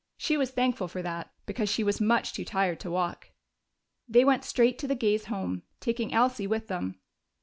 She was thankful for that, because she was much too tired to walk. They went straight to the Gays' home, taking Elsie with them. Mrs.